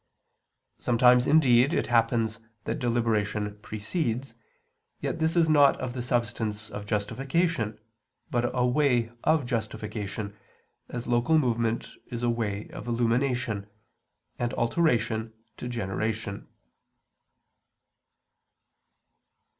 Sometimes, indeed, it happens that deliberation precedes, yet this is not of the substance of justification, but a way of justification; as local movement is a way of illumination, and alteration to generation.